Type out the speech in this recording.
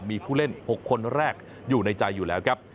มีผู้เล่น๖คนแรกอยู่ในใจอยู่แล้วครับ